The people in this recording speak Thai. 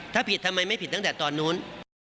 ถ้าผิดทำไมไม่ผิดตั้งแต่ตอนนู้น